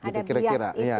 ada bias itu ya